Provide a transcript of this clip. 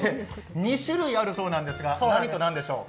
２種類あるそうなんですが何と何でしょう？